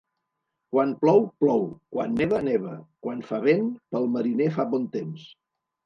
Quan plou, plou; quan neva, neva; quan fa vent, pel mariner fa bon temps.